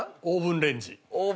オーブンレンジ。